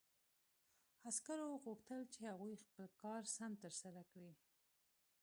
عسکرو غوښتل چې هغوی خپل کار سم ترسره کړي